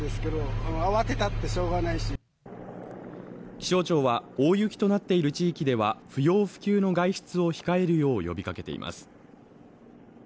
気象庁は大雪となっている地域では不要不急の外出を控えるよう呼びかけています。